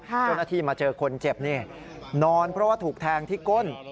เจ้าหน้าที่มาเจอคนเจ็บนี่นอนเพราะว่าถูกแทงที่ก้น